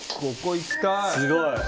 すごい。